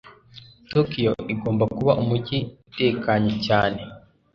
Tokiyo igomba kuba umujyi utekanye cyane.